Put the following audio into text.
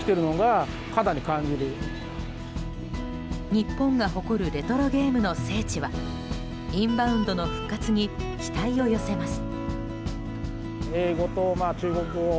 日本が誇るレトロゲームの聖地はインバウンドの復活に期待を寄せます。